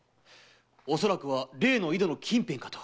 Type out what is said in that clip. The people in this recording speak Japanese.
おそらくは例の井戸の近辺かと。